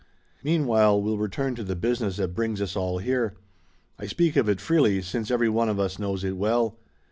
Meanwhile we'll return to the business that brings us all here. I speak of it freely, since every one of us knows it well.